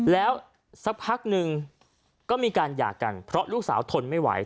แล้วสักพักนึงก็มีการหย่ากันเพราะลูกสาวทนไม่ไหว